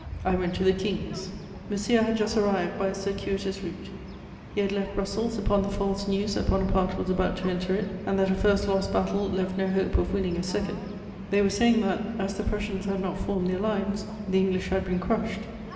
I went to the King's. Monsieur had just arrived by a circuitous route: he had left Brussels upon the false news that Bonaparte was about to enter it and that a first lost battle left no hope of winning a second. They were saying that, as the Prussians had not formed their lines, the English had been crushed.